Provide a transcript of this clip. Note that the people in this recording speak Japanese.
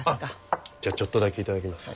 あじゃあちょっとだけ頂きます。